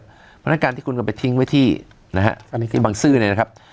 เพราะฉะนั้นการที่คุณก็ไปทิ้งไว้ที่นะฮะอันนี้คือบังซื้อเนี่ยนะครับ